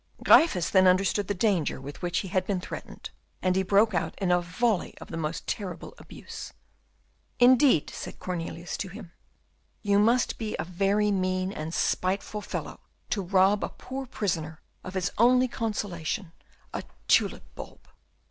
Gryphus then understood the danger with which he had been threatened, and he broke out in a volley of the most terrible abuse. "Indeed," said Cornelius to him, "you must be a very mean and spiteful fellow to rob a poor prisoner of his only consolation, a tulip bulb."